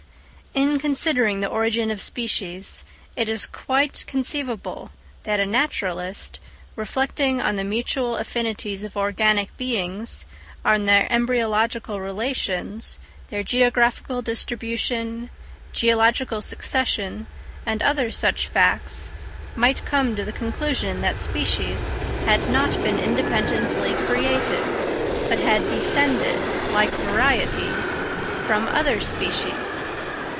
In considering the origin of species, it is quite conceivable that a naturalist, reflecting on the mutual affinities of organic beings, on their embryological relations, their geographical distribution, geological succession, and other such facts, might come to the conclusion that species had not been independently created, but had descended, like varieties, from other species.